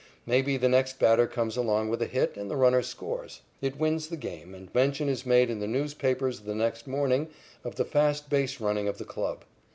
Maybe the next batter comes along with a hit, and the runner scores. It wins the game, and mention is made in the newspapers the next morning of the fast base running of the club.